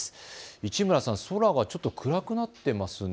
市村さん、空が暗くなっていますね。